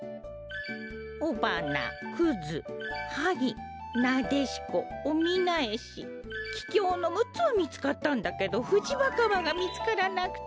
オバナクズハギナデシコオミナエシキキョウの６つはみつかったんだけどフジバカマがみつからなくて。